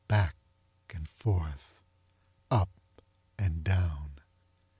Back and forth—up and down.